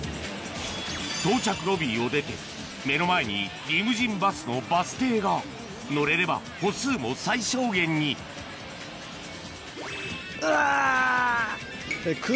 到着ロビーを出て目の前にリムジンバスのバス停が乗れれば歩数も最小限にうわ！